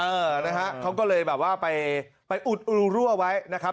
เออนะฮะเขาก็เลยแบบว่าไปอุดรูรั่วไว้นะครับ